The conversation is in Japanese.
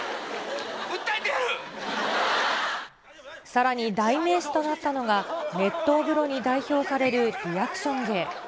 さらに代名詞となったのが、熱湯風呂に代表されるリアクション芸。